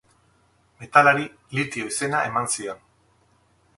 Metalari Litio izena eman zion.